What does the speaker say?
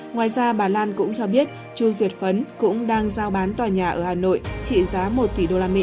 ngoài ra bà lan cũng cho biết chu duyệt phấn cũng đang giao bán tòa nhà ở hà nội trị giá một tỷ usd